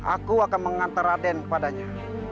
aku akan mengantar raden kepadanya